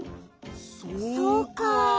そうか。